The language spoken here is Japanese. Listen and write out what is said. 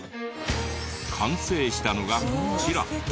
完成したのがこちら。